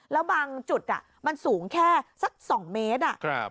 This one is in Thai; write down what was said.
แล้วบางจุดอ่ะมันสูงแค่สักสองเมตรอ่ะครับ